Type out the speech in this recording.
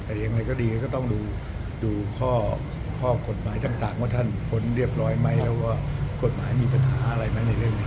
แต่ยังไงก็ดีก็ต้องดูข้อกฎหมายต่างว่าท่านพ้นเรียบร้อยไหมแล้วก็กฎหมายมีปัญหาอะไรไหมในเรื่องนี้